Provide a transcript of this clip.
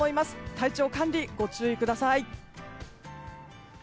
体調管理ご注意ください。